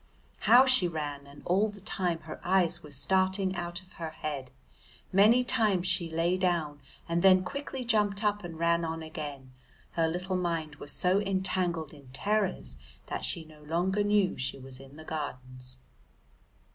How she ran! and all the time her eyes were starting out of her head. Many times she lay down, and then quickly jumped up and ran on again. Her little mind was so entangled in terrors that she no longer knew she was in the Gardens.